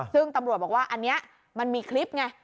ซึ่งตำรวจบอกว่าอันนี้มันมีคลิปไง